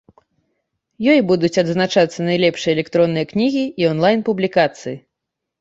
Ёй будуць адзначацца найлепшыя электронныя кнігі і онлайн-публікацыі.